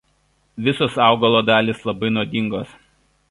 Visos augalo dalys labai nuodingos.